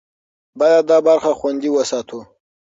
باید دا برخه خوندي وساتو.